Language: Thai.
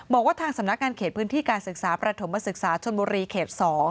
บอกว่าทางสำนักงานเขตพื้นที่การศึกษาประถมศึกษาชนบุรีเขต๒